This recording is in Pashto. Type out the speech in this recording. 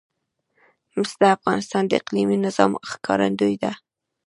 مس د افغانستان د اقلیمي نظام ښکارندوی ده.